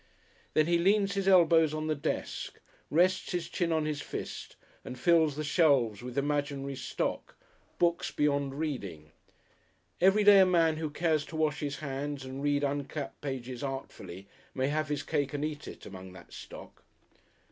Then he leans his elbows on the desk, rests his chin on his fist and fills the shelves with imaginary stock; books beyond reading. Every day a man who cares to wash his hands and read uncut pages artfully may have his cake and eat it, among that stock.